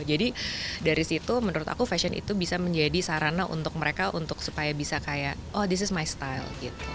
jadi dari situ menurut aku fashion itu bisa menjadi sarana untuk mereka untuk supaya bisa kayak oh this is my style